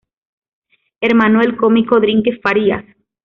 Hermano del cómico Dringue Farías.